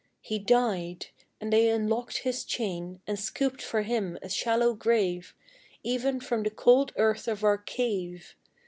He died, and they unlocked his chain, And scooped for him a shallow grave Even from the cold earth of our cave.